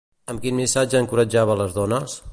Amb quin missatge encoratjava les dones?